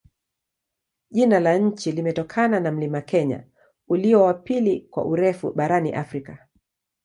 Jina la nchi limetokana na mlima Kenya, ulio wa pili kwa urefu barani Afrika.